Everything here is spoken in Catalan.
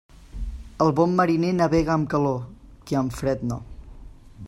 El bon mariner navega amb calor, que amb fred no.